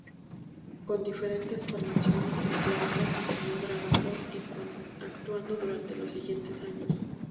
Con diferentes formaciones, la banda continuó grabando y actuando durante los siguientes años.